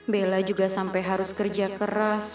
bella juga sampai harus kerja keras